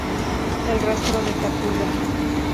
El Rastro de Tacuba.